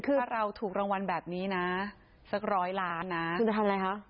คือเราถูกรางวัลแบบนี้นะสักร้อยล้านนะคุณจะทำอะไรคะ